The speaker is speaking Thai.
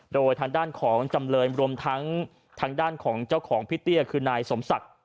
โดยทางด้านของจำเลยรวมทั้งทางด้านของเจ้าของพี่เตี้ยคือนายสมศักดิ์